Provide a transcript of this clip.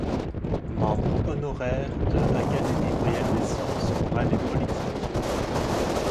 Membre honnoraire de Académie royale des sciences morales et politiques.